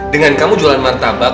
dengan kamu jualan martabak